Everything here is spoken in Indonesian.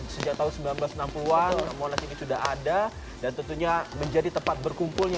sejak tahun seribu sembilan ratus enam puluh an monas ini sudah ada dan tentunya menjadi tempat berkumpulnya